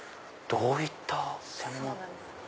どういった専門？